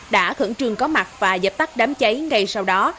đã khẩn trương có mặt và dập tắt đám cháy ngay sau đó